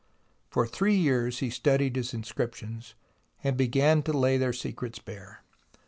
For three years he studied his inscriptions, and began to lay their secrets bare.